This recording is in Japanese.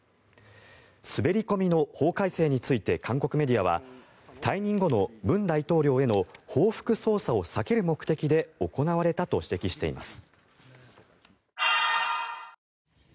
滑り込みの法改正について韓国メディアは退任後の文大統領への報復捜査を避ける目的で行われたと指摘しています。